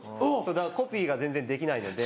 コピーが全然できないので。